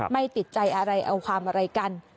ไม่ติดใจอะไรเอาความอะไรกัน